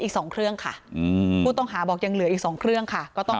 อีกสองเครื่องค่ะผู้ต้องหาบอกยังเหลืออีกสองเครื่องค่ะก็ต้อง